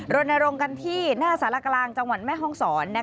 รณรงค์กันที่หน้าสารกลางจังหวัดแม่ห้องศร